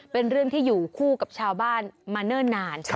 เป็นเรื่องที่อยู่คู่กับชาวบ้านมาเนิ่นนาน